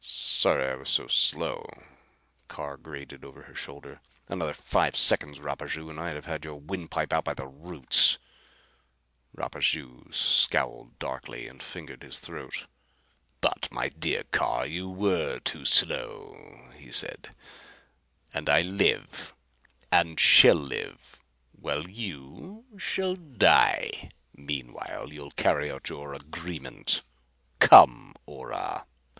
"Sorry I was so slow," Carr grated, over her shoulder. "Another five seconds, Rapaju, and I'd have had your windpipe out by the roots." Rapaju scowled darkly and fingered his throat. "But, my dear Carr, you were too slow," he said, "and I live and shall live while you shall die. Meanwhile you'll carry out your agreement. Come, Ora."